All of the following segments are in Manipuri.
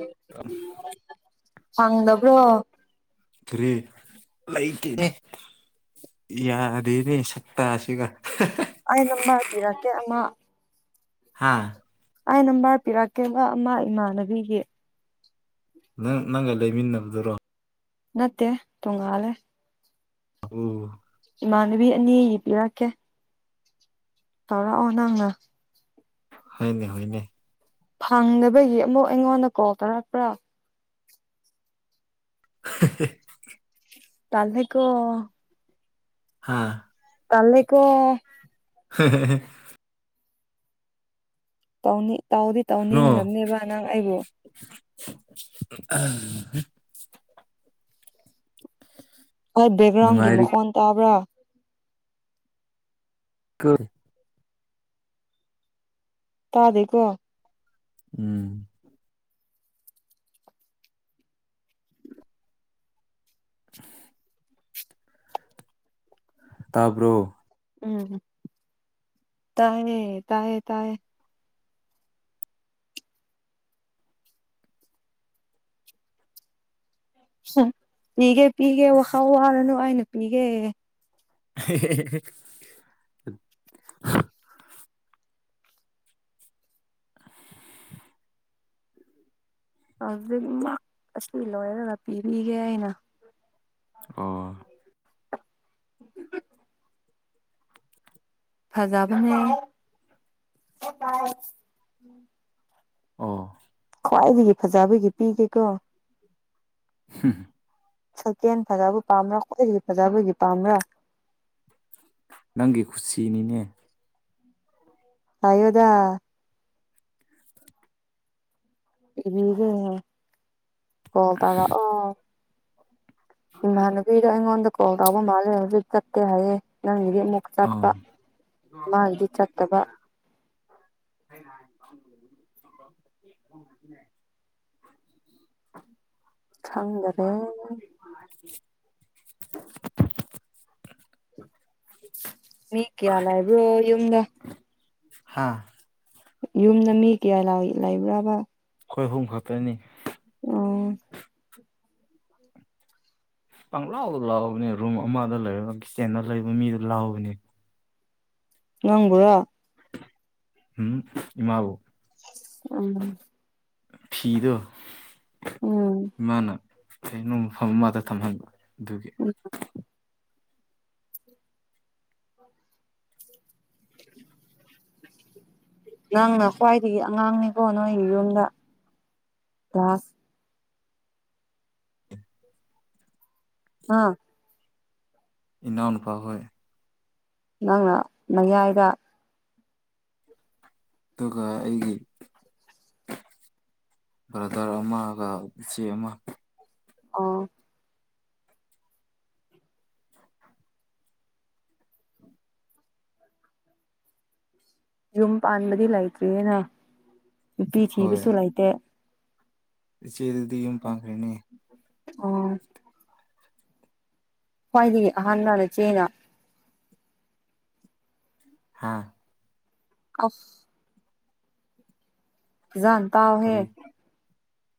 [unintelligible] ꯄꯪꯗꯕ꯭ꯔꯣ ꯀꯔꯤ ꯂꯩꯇꯦꯅꯦ ꯌꯥꯗꯦꯅꯦ ꯁꯛꯇ ꯁꯤꯒ ꯑꯩ ꯅꯝꯕꯔ ꯄꯤꯔꯛꯀꯦ ꯑꯃ ꯍꯥꯥ ꯑꯩꯏ ꯅꯝꯕꯔ ꯄꯤꯔꯛꯀꯦꯕ ꯑꯃ ꯏꯃꯥꯟꯅꯕꯤꯒꯤ ꯅꯪ ꯅꯪꯒ ꯂꯩꯃꯤꯟꯅꯕꯗꯨꯔꯣ ꯅꯠꯇꯦ ꯇꯣꯉꯥꯜꯂꯦ ꯑꯣ ꯏꯃꯥꯟꯅꯕꯤ ꯑꯅꯤꯒꯤ ꯄꯤꯔꯛꯀꯦ ꯇꯧꯔꯛꯑꯣ ꯅꯪꯅ ꯍꯣꯏꯅꯦ ꯍꯣꯏꯅꯦ ꯐꯪꯗꯕꯒꯤ ꯑꯃꯨꯛ ꯑꯩꯉꯣꯟꯗ ꯀꯣꯜ ꯇꯧꯔꯛꯄ꯭ꯔꯥ [unintelligible] ꯇꯜꯍꯩꯀꯣ ꯍꯥꯥ ꯇꯜꯂꯦꯀꯣ [unintelligible] ꯇꯧꯅꯤꯡ ꯇꯧꯗꯤ ꯇꯧꯅꯤꯡꯗꯕꯅꯦꯕ ꯅꯪ ꯑꯩꯕꯨ ꯑꯍꯥ [inaudible] ꯍꯣꯏ ꯕꯦꯛꯒ꯭ꯔꯥꯎꯟꯒꯤ ꯃꯈꯣꯟ ꯇꯥꯕ꯭ꯔꯥ [unintelligible] ꯇꯥꯗꯦꯀꯣ ꯎꯝ ꯇꯥꯕ꯭ꯔꯣ ꯎꯝ ꯇꯥꯏꯌꯦ ꯇꯥꯏꯌꯦ ꯇꯥꯏꯌꯦ [unintelligible] ꯄꯤꯒꯦ ꯄꯤꯒꯦ ꯋꯥꯇꯜ ꯋꯥꯔꯅꯨ ꯑꯩꯅ ꯄꯤꯒꯦ [unintelligible] [inaudible] ꯍꯧꯖꯤꯛꯃꯛ ꯑꯁꯤ ꯂꯣꯏꯔꯒ ꯄꯤꯕꯤꯒꯦ ꯑꯩꯅ ꯑꯣ [inaudible] ꯐꯖꯕꯅꯦ [inaudible] ꯑꯣ ꯈ꯭ꯋꯥꯏꯗꯒꯤ ꯐꯖꯕꯒꯤ ꯄꯤꯒꯦꯀꯣ ꯍꯝ ꯁꯀꯦꯟ ꯐꯖꯕ ꯄꯥꯝꯕ꯭ꯔꯥ ꯈ꯭ꯋꯥꯏꯗꯒꯤ ꯐꯖꯕꯗꯤ ꯄꯥꯝꯕ꯭ꯔꯥ ꯅꯪꯒꯤ ꯈꯨꯨꯁꯤꯅꯤꯅꯦ ꯍꯥꯏꯌꯣꯗꯥ [unintelligible] ꯀꯣꯜ ꯇꯧꯔꯛꯑꯣ ꯏꯃꯥꯅꯕꯤꯗ ꯑꯩꯉꯣꯟꯗ ꯀꯣꯜ ꯇꯕ ꯃꯥꯂꯦ ꯍꯨꯖꯤꯛ ꯆꯠꯇꯦ ꯍꯥꯏꯌꯦ ꯅꯪꯒꯤꯗꯤ ꯑꯃꯨꯛ ꯆꯠꯄ ꯑꯥ ꯃꯥꯒꯤꯗꯤ ꯆꯠꯇꯕ [unintelligible] [inaudible] ꯈꯪꯗꯔꯦ [unintelligible] ꯃꯤ ꯀꯌꯥ ꯂꯩꯕ꯭ꯔꯣ ꯌꯨꯝꯗ ꯍꯥꯥ ꯌꯨꯝꯗ ꯃꯤ ꯀꯌꯥ ꯂꯥꯏ ꯂꯩꯕ꯭ꯔꯥꯕ ꯑꯩꯈꯣꯏ ꯑꯍꯨꯝ ꯈꯛꯇꯅꯤ ꯎꯝ ꯄꯪꯂꯥꯎꯗ ꯂꯥꯎꯕꯅꯦ ꯔꯨꯝ ꯑꯃꯗ ꯂꯩꯔꯒ ꯀꯤꯠꯆꯦꯟꯗ ꯂꯩꯕ ꯃꯤꯗꯨ ꯂꯥꯎꯕꯅꯦ ꯅꯪꯕꯨꯔꯣ ꯍꯨꯝ ꯏꯃꯥꯕꯨ ꯎꯝ ꯐꯤꯗꯣ ꯎꯝ ꯏꯃꯥꯅ ꯀꯩꯅꯣ ꯃꯐꯝ ꯑꯃꯗ ꯊꯝꯍꯟꯕ ꯑꯗꯨꯒꯤ [inaudible] ꯅꯪꯅ ꯈ꯭ꯋꯥꯏꯗꯒꯤ ꯑꯉꯥꯡꯅꯤꯀꯣ ꯅꯣꯏꯒꯤ ꯌꯨꯝꯗ ꯀ꯭ꯂꯥꯁ ꯍꯥ ꯏꯅꯥꯎ ꯅꯨꯄꯥ ꯍꯣꯏ ꯅꯪꯅ ꯃꯌꯥꯏꯔꯥ ꯑꯗꯨꯒ ꯑꯩꯒꯤ ꯕ꯭ꯔꯥꯗꯔ ꯑꯃꯒ ꯏꯆꯦ ꯑꯃ ꯑꯣ ꯌꯨꯝ ꯄꯥꯟꯕꯗꯤ ꯂꯩꯇ꯭ꯔꯤꯅ ꯅꯨꯄꯤ ꯍꯣꯏ ꯊꯤꯕꯁꯨ ꯂꯩꯇꯦ ꯏꯆꯦꯗꯨꯗꯤ ꯌꯨꯝ ꯄꯥꯡꯈ꯭ꯔꯦꯅꯤ ꯑꯣ ꯈ꯭ꯋꯥꯏꯗꯒꯤ ꯑꯍꯥꯟꯂꯥ ꯅꯆꯦꯅ ꯍꯥꯥ ꯑꯣꯐ ꯐꯖꯟ ꯇꯥꯎꯍꯦ ꯀꯔꯤ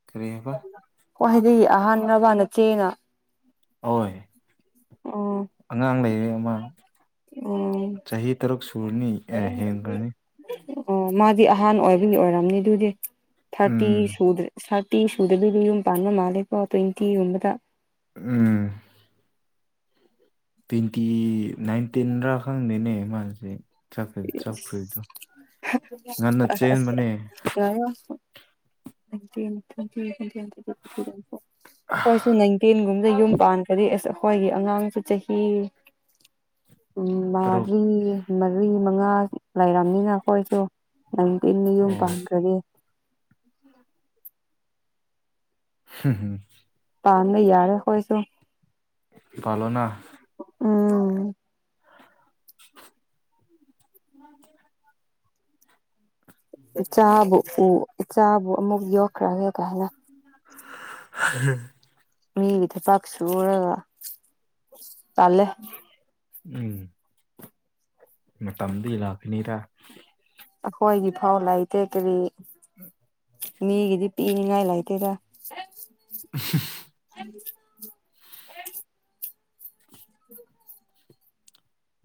ꯀꯔꯤ ꯍꯥꯏꯕ ꯈ꯭ꯋꯥꯏꯗꯒꯤ ꯑꯍꯟꯔꯥꯕ ꯅꯆꯦꯅ ꯑꯍꯣꯏ ꯑꯣ ꯑꯉꯥꯡ ꯂꯩꯔꯦ ꯑꯃ ꯎꯝ ꯆꯍꯤ ꯇꯔꯨꯛ ꯁꯨꯔꯅꯤ ꯑꯦ ꯍꯦꯟꯒ꯭ꯔꯥꯅꯤ ꯑꯣ ꯃꯥꯗꯤ ꯑꯍꯥꯟ ꯑꯣꯏꯕꯒꯤ ꯑꯣꯏꯔꯝꯅꯤ ꯑꯗꯨꯗꯤ ꯊꯥꯔꯇꯤ ꯎꯝ ꯁꯨꯗ꯭ꯔꯦ ꯊꯔꯇꯤ ꯁꯨꯗꯕꯤꯗ ꯌꯨꯝ ꯄꯥꯟꯕ ꯃꯥꯜꯂꯦꯀꯣ ꯇ꯭ꯋꯦꯟꯇꯤꯒꯨꯝꯕꯗ ꯎꯝ ꯇ꯭ꯋꯦꯟꯇꯤ ꯅꯥꯏꯟꯇꯤꯟꯔꯥ ꯈꯪꯗꯦꯅꯦ ꯃꯥꯖꯦ ꯆꯥꯞꯈ꯭ꯔꯤ ꯆꯥꯞꯈ꯭ꯔꯤꯗꯣ [unintelligible] ꯑꯩꯣꯏ ꯅꯟꯇꯒ ꯑꯗ ꯌꯨꯝ ꯄꯥꯟꯈꯗꯤ ꯑꯁ ꯑꯩꯈꯣꯏꯒꯤ ꯑꯉꯥꯡꯁꯨ ꯆꯍꯤ ꯎ ꯇꯔꯨꯛ ꯃꯔꯤ ꯃꯔꯤ ꯃꯉꯥ ꯂꯩꯔꯝꯅꯤꯅ ꯑꯩꯈꯣꯏꯁꯨ ꯅꯪꯗꯤꯤꯟ ꯌꯨꯝ ꯑꯣ ꯄꯥꯟꯈ꯭ꯔꯔꯤ ꯍꯝ ꯍꯝ ꯄꯥꯔꯗ ꯌꯥꯔꯦꯈꯣꯏꯁꯨ ꯄꯜꯅ ꯎꯝ [inaudible] ꯆꯥꯕꯨ ꯆꯥꯕꯨ ꯑꯃꯨꯛ ꯌꯣꯛꯈ꯭ꯔꯒꯦ ꯀꯥꯏꯅ ꯎꯝ ꯃꯤꯒꯤ ꯊꯩꯄꯥꯛꯥꯛ ꯁꯨꯔꯒ ꯄꯥꯜꯂꯦ ꯎꯝ ꯃ ꯇꯝꯗꯤ ꯂꯥꯛꯀꯅꯤꯗ ꯑꯩꯈꯣꯏꯒꯤ ꯐꯥꯎ ꯂꯩꯇꯦ ꯀꯔꯤ ꯃꯤꯒꯤꯗꯤ ꯄ ꯃꯤꯉꯥꯏ ꯂꯇꯒ [inaudible]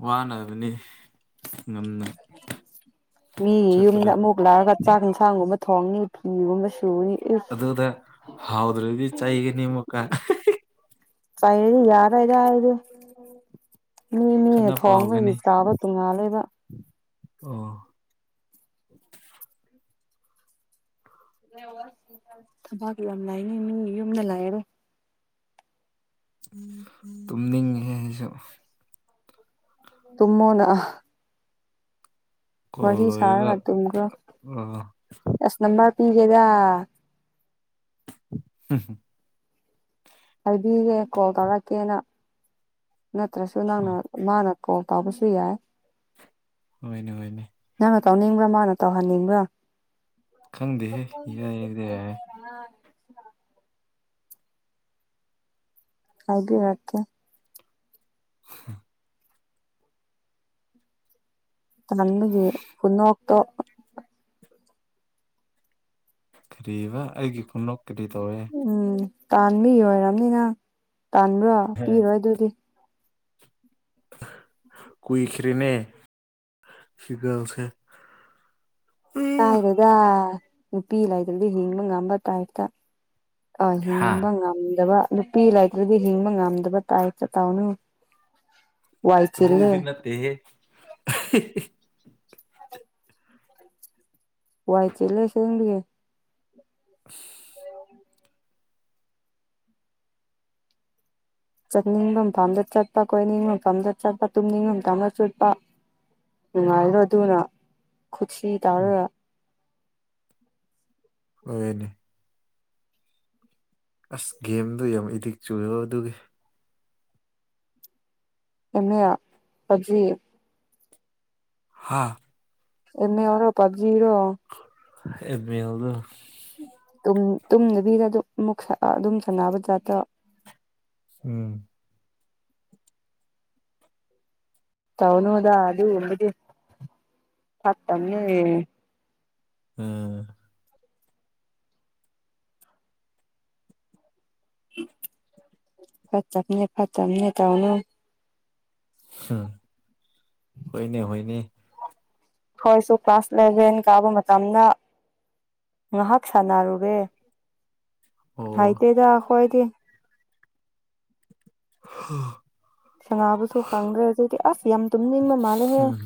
ꯋꯥꯅꯕꯅꯤ ꯉꯝꯅ ꯃꯤꯒꯤ ꯌꯨꯝꯗ ꯆꯠꯄꯗꯣ ꯑꯃꯨꯛ ꯂꯥꯛꯔꯒ ꯆꯥꯛ ꯏꯟꯁꯥꯡꯒꯨꯝꯕ ꯊꯣꯡꯅꯤ ꯐꯤꯒꯨꯝꯕ ꯁꯨꯅꯤ ꯏꯁ ꯑꯗꯨꯗꯗ ꯍꯥꯎꯗ꯭ꯔꯣ ꯏꯗꯤ ꯆꯥꯏꯒꯅꯤꯃꯀ ꯆꯩꯔꯤ ꯌꯥꯔꯔ ꯍꯥꯏ ꯑꯗꯨ ꯃꯤꯅꯦ ꯊꯣꯡꯕꯒꯤ ꯆꯥꯕ ꯇꯨꯡꯉꯥ ꯂꯩꯕ ꯑ ꯊꯕꯥꯛ ꯌꯥꯝ ꯂꯥꯏꯅꯦ ꯃꯤ ꯌꯨꯝꯗ ꯂꯥꯛꯑꯔꯣ ꯇꯨꯝꯅꯤꯡꯉꯤꯍꯦꯁꯨ ꯇꯨꯃꯅ ꯀꯣꯜ ꯋꯥꯔꯤ ꯂꯣꯏꯔꯒ ꯁꯥꯔꯒ꯭ꯔꯣ ꯇꯨꯝꯒꯔꯣ ꯑꯣ ꯑꯁ ꯅꯝꯕꯔ ꯄꯤꯒꯦꯗ ꯍꯝ ꯍꯝ ꯍꯥꯏꯕꯤꯒꯦ ꯀꯣꯜ ꯇꯧꯔꯛꯀꯦꯅ ꯅꯠꯇ꯭ꯔꯁꯨ ꯅꯪꯅ ꯑꯣ ꯃꯥꯅ ꯀꯣ ꯇ ꯑꯃꯁꯁꯨ ꯌꯥꯏ ꯍꯅꯦ ꯍꯣꯏꯅꯦ ꯅꯪꯅ ꯇꯧꯅꯤꯡꯕ꯭ꯔꯥ ꯃꯥꯅ ꯇꯧꯍꯟꯅꯤꯡꯕ꯭ꯔꯥ ꯈꯪꯗꯦꯍꯦ ꯏꯏꯔꯗꯦ ꯌꯥꯔꯦ ꯑ ꯍꯥꯏꯕꯤꯔꯛꯀꯦ ꯎ ꯅꯃꯤꯒꯤ ꯈꯨꯟꯛꯇ ꯀꯔꯤꯕ ꯑꯩꯒꯤ ꯈꯨꯅꯣ ꯀꯔꯤ ꯇꯧꯋꯦ ꯎꯝ ꯇꯥꯟꯕꯕꯤ ꯑꯣꯏꯔꯕꯅꯤꯅ ꯇꯥꯟꯕ꯭ꯔꯣ ꯄꯤꯔꯣꯏ ꯑꯗꯨꯗꯤ ꯀꯏꯈꯔꯤꯅꯦ ꯁꯤꯀꯁꯦ ꯆꯥꯏꯔꯦꯗ ꯅꯨꯄꯤ ꯂꯥꯏꯗꯗ ꯍꯤꯡꯕ ꯉꯝꯕ ꯇꯥꯏꯞꯇ ꯑ ꯍꯥ ꯍꯤꯡꯕ ꯉꯝꯗꯕ ꯅꯨꯄꯤ ꯂꯥꯏꯔꯤꯛꯇꯨꯗꯤ ꯍꯤꯡꯕ ꯉꯝꯗꯕ ꯇꯥꯏꯇ ꯇꯥꯎꯅ ꯑꯗꯨ ꯑꯗꯨꯗꯅꯠꯇ ꯋꯥꯏ ꯆꯦ ꯂꯩꯁꯦꯡꯒꯦ [unintelligible] ꯆꯠꯅꯤꯡꯕ ꯃꯐꯝꯗ ꯆꯠꯄ ꯀꯣꯏꯅꯤꯡꯕ ꯃꯐꯝꯗ ꯆꯠꯄ ꯇꯨꯝꯅꯤꯡꯕ ꯃꯐꯝꯐꯝꯗ ꯆꯠꯄ ꯅꯨꯡꯉꯥꯏꯔꯣ ꯑꯗꯨꯅ ꯈꯨꯠꯁꯤ ꯎꯝ ꯇꯥꯔꯒ ꯑꯣꯏꯅꯦ ꯑꯁ ꯒꯦꯝꯗꯣ ꯌꯥꯝ ꯑꯦꯗꯤꯛ ꯆꯨꯨꯔꯣ ꯑꯗꯨꯒꯤ ꯑꯦꯝ ꯑꯦ ꯄꯖꯤ ꯍꯥꯥ ꯑꯦ ꯃꯦꯜ ꯂꯤ ꯄꯞꯖꯤ ꯔꯣ ꯑꯦ ꯃꯦꯜꯗꯣ ꯇꯨꯝꯗꯕꯤꯗꯨꯝ ꯑꯗꯨꯝ ꯁꯥꯅꯕ ꯖꯥꯠꯇꯣ ꯎꯝ ꯇꯧꯅꯗ ꯑꯗꯨꯒꯨꯝꯕ ꯐꯠꯇꯝꯅꯦ ꯎꯝ ꯐꯠꯇꯕꯅꯦ ꯐꯠꯇꯕꯅꯦ ꯇꯧꯅꯣ ꯎꯝ ꯍꯣꯏꯅꯦ ꯍꯣꯏꯅꯦ ꯑꯩꯈꯣꯏꯁꯨ ꯀ꯭ꯂꯥꯁ ꯏꯂꯦꯚꯦꯟ ꯀꯥꯕ ꯃꯇꯝꯗ ꯉꯥꯏꯍꯥꯛ ꯁꯥꯟꯅꯔꯨꯔꯦ ꯑꯣ ꯍꯥꯏꯇꯦꯗ ꯑꯩꯈꯣꯏꯗꯤ [unintelligible] ꯁꯥꯅꯕꯨꯁꯨ ꯈꯪꯗ꯭ꯔꯦꯗꯗꯤ ꯑꯁ ꯌꯥꯝ ꯇꯨꯝꯅꯤꯡꯕ ꯃꯥꯜꯂꯦꯍꯦ ꯎꯝ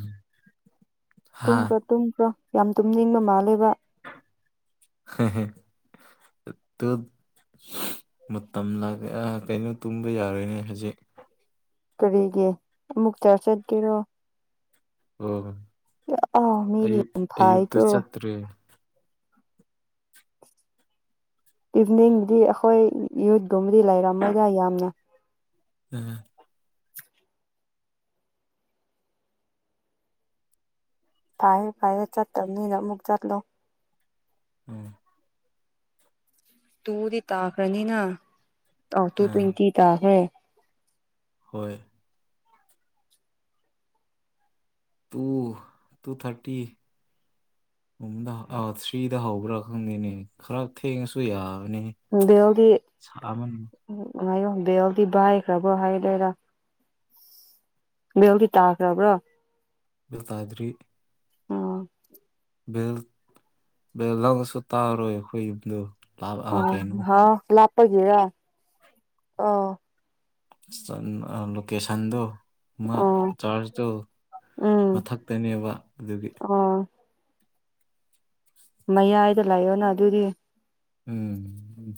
ꯍꯥ ꯇꯨꯝꯈ꯭ꯔꯣ ꯇꯨꯝꯈ꯭ꯔꯣ ꯌꯥꯝ ꯇꯨꯝꯅꯤꯡꯕ ꯃꯥꯜꯂꯦꯕ [unintelligible] ꯃꯇꯝ ꯂ ꯀꯩꯅꯣ ꯇꯨꯝꯕ ꯌꯥꯔꯣꯏꯅꯦ ꯍꯧꯖꯤꯛ ꯀꯔꯤꯒꯤ ꯑꯃꯨꯛꯛꯇ ꯆꯠꯀꯦꯔꯣ ꯑꯣ ꯑ ꯃꯦ ꯐꯥꯏ ꯀꯣ ꯇ꯭ꯔꯦ ꯏꯚꯅꯤꯡꯗꯤ ꯑꯩꯈꯣꯏ ꯌꯨꯠꯀꯨꯝꯕꯗꯤ ꯂꯩꯔꯝꯃꯣꯏꯗ ꯌꯥꯝꯅ ꯎꯝ ꯐꯦ ꯐꯥꯏꯌꯦ ꯆꯠꯇ ꯃꯤꯅ ꯑꯃꯨꯛ ꯆꯠꯂꯣ ꯎꯝ ꯇꯨꯗꯤ ꯇꯥꯈ꯭ꯔꯅꯤꯅ ꯑ ꯇꯨ ꯑꯥ ꯇ꯭ꯋꯦꯟꯇꯤ ꯇꯥꯈ꯭ꯔꯦ ꯍꯣꯏ ꯇꯨ ꯇꯨ ꯊꯥꯔꯇꯤ ꯗ ꯑꯥ ꯊ꯭ꯔꯤꯗ ꯍꯧꯕ꯭ꯔꯥ ꯈꯪꯗꯦꯅꯦ ꯈꯔ ꯊꯦꯡꯉꯁꯨ ꯌꯥꯔꯅꯤ ꯕꯦꯜꯗꯤ ꯎ ꯍꯥꯏꯌꯣ ꯕꯦꯜꯗꯤ ꯚꯥꯏꯈ꯭ꯔꯕ꯭ꯔ ꯍꯥꯏ ꯂꯩꯔ ꯕꯦꯜꯒꯤ ꯇꯥꯈ꯭ꯔꯕ꯭ꯔꯣ ꯕꯦꯜ ꯇꯥꯗ꯭ꯔꯤ ꯑꯣ ꯕꯦꯜ ꯕꯦꯜ ꯂꯧꯉꯁꯨ ꯇꯥꯔꯔꯣꯏ ꯑꯩꯈꯣꯏ ꯌꯨꯝꯗꯣ ꯂꯥꯞ ꯑ ꯑꯥ ꯀꯩꯅꯣ ꯍ ꯂꯥꯛꯄꯒꯦꯔ ꯑꯥꯎ [unintelligible] ꯂꯣꯀꯦꯁꯟꯗꯨ ꯑꯃ ꯑꯣ ꯆꯥꯔꯖꯇꯣ ꯎꯝ ꯃꯊꯛꯇꯅꯦꯕ ꯑꯗꯨꯒꯤ ꯑꯣ ꯃꯌꯥꯏꯗ ꯂꯥꯛꯑꯣꯅ ꯑꯗꯨꯗꯤ ꯎꯝ ꯎꯝ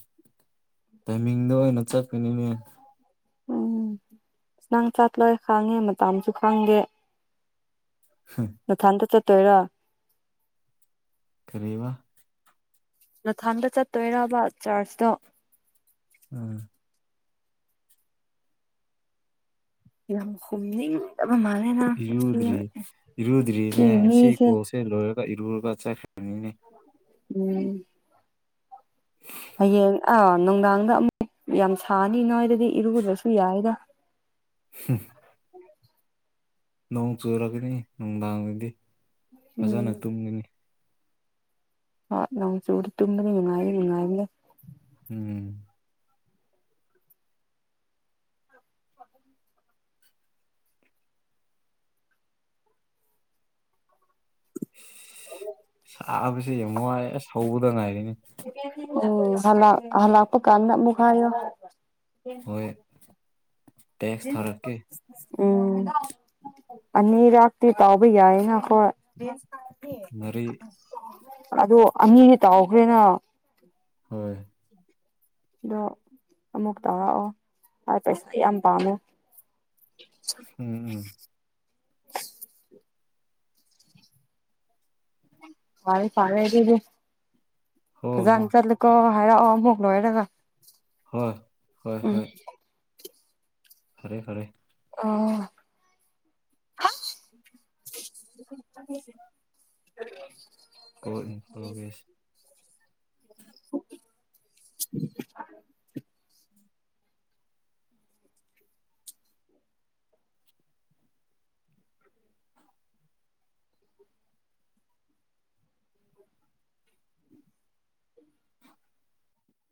ꯇꯥꯏꯃꯤꯡꯗ ꯑꯣꯏꯅ ꯆꯠꯀꯅꯤꯅꯦ ꯎꯝ ꯑ ꯅꯪ ꯆꯠꯂꯣꯏ ꯈꯥꯡꯉꯦ ꯃꯇꯝꯁꯨ ꯈꯥꯡꯗꯦ ꯍꯝ ꯅꯊꯥꯟꯇ ꯆꯠꯇꯣꯏꯔꯣ ꯀꯔꯤꯕ ꯅꯊꯟꯗ ꯆꯠꯇꯣꯏꯔꯕ ꯆꯥꯔꯖꯇꯣ ꯎꯝ ꯌꯥꯝ ꯍꯨꯝꯅꯤꯡ ꯃꯥꯜꯂꯦ ꯅꯪ ꯏꯔꯨꯗ꯭ꯔꯤ ꯏꯔꯨꯗ꯭ꯔꯤꯅꯦ ꯁꯤ ꯃꯤꯁꯦ ꯀꯣꯛꯁꯦ ꯂꯣꯏꯔꯒ ꯏꯔꯨꯔꯒ ꯆꯠ ꯎꯝ ꯍꯌꯦꯡ ꯑꯥ ꯅꯨꯡꯗꯥꯡꯗ ꯑꯃꯨꯛ ꯌꯥꯝ ꯁꯥꯅꯤ ꯅꯣꯏꯗꯗꯤ ꯏꯔꯨꯗ꯭ꯔꯁꯨ ꯌꯥꯏꯗ ꯍꯨꯡ [unintelligible] ꯅꯣꯡ ꯆꯨꯔꯝꯒꯅꯤ ꯅꯨꯡꯗꯥꯡꯗꯗꯤ ꯐꯖꯅ ꯎꯝ ꯇꯨꯝꯒꯅꯤ ꯍꯣꯢ ꯅꯣꯡ ꯆꯨꯔꯗꯤ ꯇꯨꯝꯕꯗꯤ ꯅꯨꯡꯉꯥꯏꯗꯤ ꯅꯨꯡꯉꯥꯏꯕꯅꯦ ꯎꯝ ꯁꯥꯕꯁꯦ ꯌꯥꯝ ꯋꯥꯏ ꯑꯁ ꯍꯧꯕꯗ ꯉꯥꯏꯔꯤꯅꯦ ꯎꯝ ꯍꯜꯂꯛ ꯍꯜꯂꯛꯄ ꯀꯥꯟꯗ ꯑꯃꯨꯛ ꯍꯥꯏꯌꯣ ꯍꯣꯏ ꯇꯦꯛꯁ ꯊꯥꯔꯛꯀꯦ ꯎꯝ ꯑꯅꯤꯔꯛꯇꯤ ꯇꯧꯕ ꯌꯥꯏꯅ ꯍꯣꯏ ꯃꯔꯤ ꯑꯗꯨ ꯑꯅꯤꯗꯤ ꯇꯩꯈ꯭ꯔꯦꯅ ꯍꯣꯏ ꯑꯗꯣ ꯑꯃꯨꯛ ꯇꯧꯔꯛꯑꯣ ꯑꯩ ꯄꯩꯁꯥ ꯌꯥꯝ ꯄꯥꯝꯃꯦ ꯎꯝ ꯎꯝ ꯐꯔꯦ ꯐꯔꯦ ꯑꯗꯨꯗꯤ ꯍꯣꯏ ꯐꯖꯥꯅ ꯍꯣꯏ ꯆꯠꯂꯨꯀꯣ ꯍꯥꯏꯔꯛꯑꯣ ꯑꯃꯨꯛ ꯂꯣꯏꯔꯒ ꯍꯣꯏ ꯍꯣꯏ ꯎꯝ ꯍꯣꯏ ꯐꯔꯦ ꯐꯔꯦ ꯑꯥ [unintelligible] [unintelligible] [inaudible]